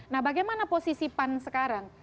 nah bagaimana posisi pan sekarang